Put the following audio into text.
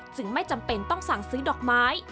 ไม่จำเป็นต้องสั่งซื้อดอกไม้